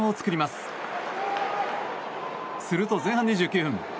すると、前半２９分。